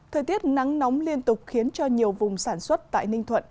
thời tiết nắng nóng liên tục khiến cho nhiều vùng sản xuất tại ninh thuận